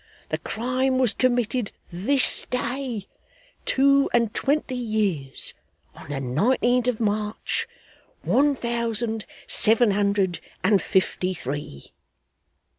The crime was committed this day two and twenty years on the nineteenth of March, one thousand seven hundred and fifty three.